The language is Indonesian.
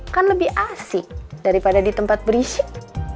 kan lebih asik daripada di tempat berisyuk